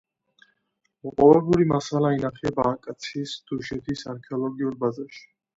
მოპოვებული მასალა ინახება აკც-ის დუშეთის არქეოლოგიურ ბაზაში.